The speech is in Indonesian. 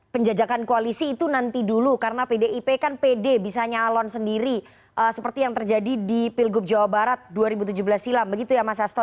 penjajakan koalisi itu nanti dulu karena pdip kan pede bisa nyalon sendiri seperti yang terjadi di pilgub jawa barat dua ribu tujuh belas silam begitu ya mas asto